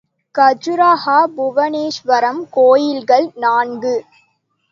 கஜுராஹோ புவனேஸ்வரம் கோயில்கள் நான்கு.